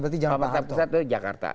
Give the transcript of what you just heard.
pemerintah pusat itu jakarta